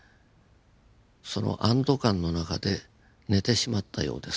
その安堵感の中で寝てしまったようです